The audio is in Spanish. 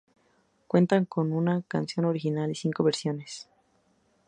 Cuenta con una canción original y cinco versiones.